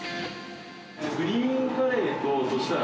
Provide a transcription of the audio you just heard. グリーンカレーと、そうしたら。